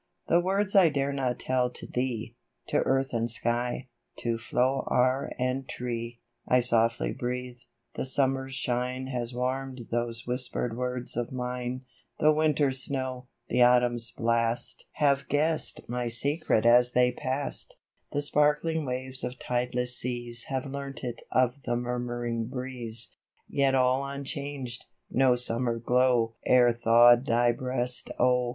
THE words I dare not tell to thee^ To Earth and Sky, to flower and tree, I softly breathe : the Summer's shine Has warm'd those whispered words of mine ; The Winter's snow, the Autumn's blast Have guess'd my secret as they pass'd ; The sparkling waves of tideless seas Have learnt it of the murmuring breeze ; Yet all unchanged, — no Summer glow E'er thaw'd thy breast, oh